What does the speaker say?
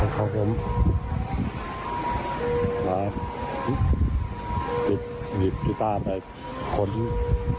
คุณผู้ชมติดตามข่าวนี้